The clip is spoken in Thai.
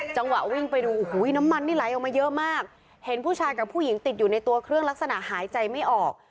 จังหวะวิ่งไปดูโอ้โหน้ำมันนี่ไหลออกมาเยอะมากเห็นผู้ชายกับผู้หญิงติดอยู่ในตัวเครื่องลักษณะหายใจไม่ออก